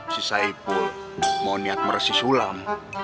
si saipul mau niat meresi sulam